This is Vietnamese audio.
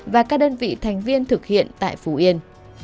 và các đơn vị thành viên thực hiện tại phú yên